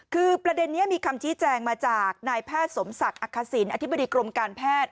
คือประเด็นนี้มีคำชี้แจงมาจากนายแพทย์สมศักดิ์อักษิณอธิบดีกรมการแพทย์